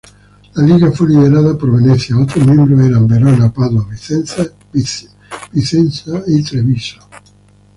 La Liga fue liderada por Venecia; otros miembros eran Verona, Padua, Vicenza, y Treviso.